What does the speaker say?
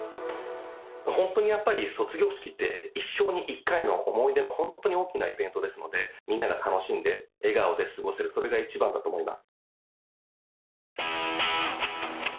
本当にやっぱり卒業式って、一生に一回の思い出の本当に大きなイベントですので、みんなが楽しんで、笑顔で過ごせる、それが一番だと思います。